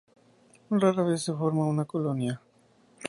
Rara vez se forma una colonia.